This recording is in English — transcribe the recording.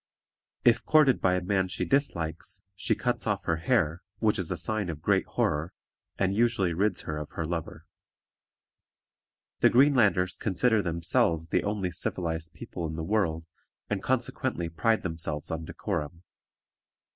If courted by a man she dislikes, she cuts off her hair, which is a sign of great horror, and usually rids her of her lover. The Greenlanders consider themselves the only civilized people in the world, and consequently pride themselves on decorum.